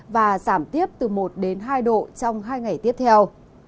và giảm tiếp từ một đến hai độ trong hai ngày tiếp theo